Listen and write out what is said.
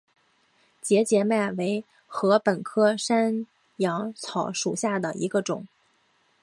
节节麦为禾本科山羊草属下的一个种。